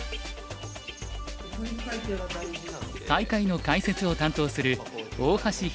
大会の解説を担当する大橋拓